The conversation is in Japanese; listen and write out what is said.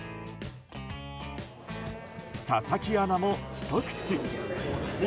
佐々木アナもひと口。